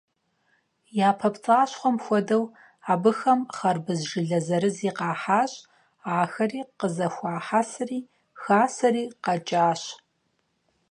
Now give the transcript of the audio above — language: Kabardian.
Япэ пцӀащхъуэм хуэдэу, абыхэм хьэрбыз жылэ зэрызи къахьащ, ахэри къызэхуахьэсри хасэри къэкӀащ.